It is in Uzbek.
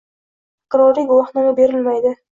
Takroriy guvohnoma berilmaydi